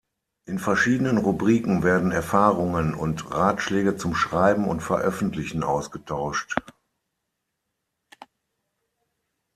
In verschiedenen Rubriken werden Erfahrungen und Ratschläge zum Schreiben und Veröffentlichen ausgetauscht.